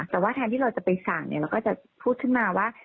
แต่ว่าแทนที่เราจะไปสั่งเราก็จะพูดขึ้นมาว่า